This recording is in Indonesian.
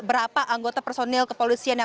berapa anggota personel kepolisian